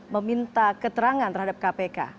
meminta keterangan terhadap kpk